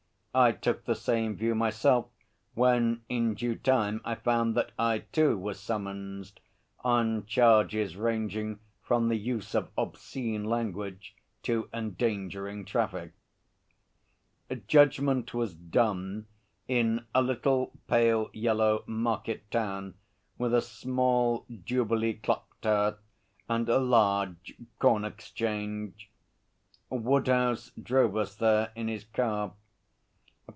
I took the same view myself when in due time I found that I, too, was summonsed on charges ranging from the use of obscene language to endangering traffic. Judgment was done in a little pale yellow market town with a small, Jubilee clock tower and a large corn exchange. Woodhouse drove us there in his car.